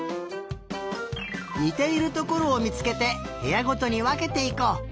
にているところをみつけてへやごとにわけていこう。